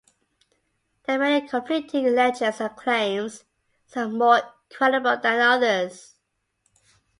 There are many conflicting legends and claims, some more credible than others.